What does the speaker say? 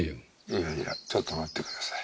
いやいやちょっと待ってください。